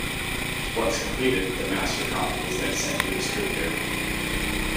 Once completed, the master copy was then sent to a distributor.